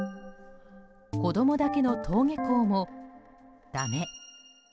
子供だけの登下校も、だめ。